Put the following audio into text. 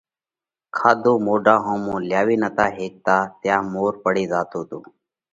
کاڌو مونڍا ۿُوڌِي لياوي نتا هيڪتا تيا مور پڙي زاتو تو۔